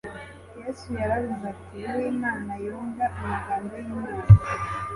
Yesu yaravuze ati :« Uw'Imana yumva amagambo y'Imana.